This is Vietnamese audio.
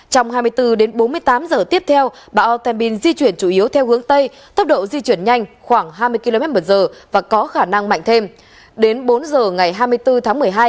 trong hai mươi bốn đến bốn mươi tám giờ tiếp theo bão temin di chuyển chủ yếu theo hướng tây tốc độ di chuyển nhanh từ hai mươi đến hai mươi năm kmh đến bốn giờ ngày hai mươi ba tháng một mươi hai